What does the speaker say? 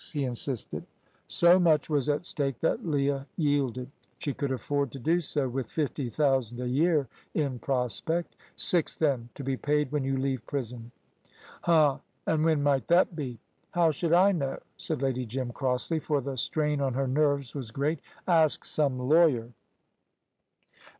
he insisted. So much was at stake that Leah yielded. She could afford to do so, with fifty thousand a year in prospect. "Six, then to be paid when you leave prison." "Huh! An' when might that be?" "How should I know?" said Lady Jim, crossly, for the strain on her nerves was great. "Ask some lawyer."